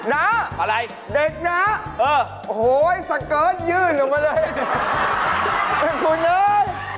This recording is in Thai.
น้าเด็กน้าโอ้โฮแฮกเกิดยืนลงไปเลยคุณเลย